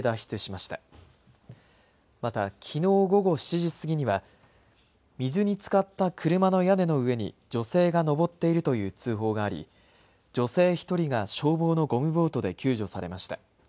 また、きのう午後７時過ぎには水につかった車の屋根の上に女性が上っているという通報があり女性１人が消防のゴムボートで救助されました。